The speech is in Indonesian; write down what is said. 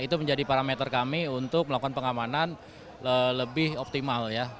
itu menjadi parameter kami untuk melakukan pengamanan lebih optimal ya